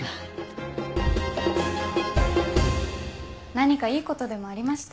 何かいいことでもありました？